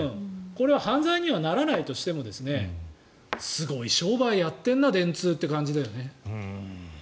これは犯罪にはならないとしてもすごい商売をやってるな電通という感じだよね。